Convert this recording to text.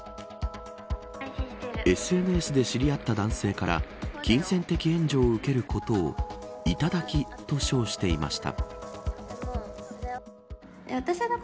ＳＮＳで知り合った男性から金銭的援助を受けることを頂きと称していました。